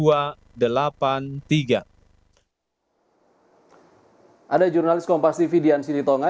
ada jurnalis kompas tv dian sini tonga